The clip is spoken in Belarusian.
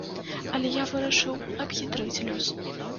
Але я вырашыў абхітрыць лёс.